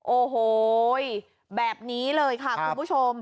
โอ้โหแบบนี้เลยค่ะคุณผู้ชม